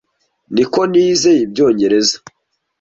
Niko nize Ibyongereza.